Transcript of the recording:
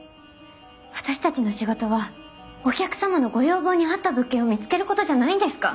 私たちの仕事はお客様のご要望にあった物件を見つけることじゃないんですか？